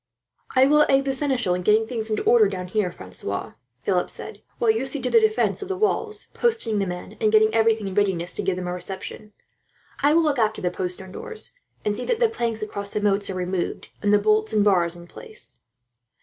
"I will aid the seneschal in getting things into order down here, Francois," Philip said, "while you see to the defence of the walls, posting the men, and getting everything in readiness to give them a reception. I will look after the postern doors, and see that the planks across the moats are removed, and the bolts and bars in place."